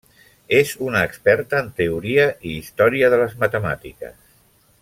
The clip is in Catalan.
És una experta en teoria i història de les matemàtiques.